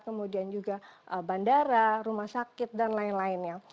kemudian juga bandara rumah sakit dan lain lainnya